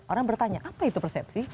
orang bertanya apa itu persepsi